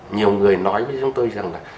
nhiều người nói với chúng tôi rằng là